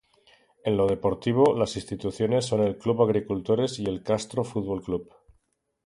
En lo deportivo las instituciones son el Club Agricultores y el Castro Fútbol Club.